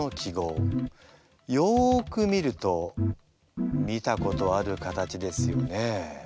よく見ると見たことある形ですよね？